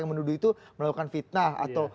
yang menuduh itu melakukan fitnah atau